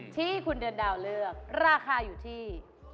ที่คุณเดือนดาวเลือกราคาอยู่ที่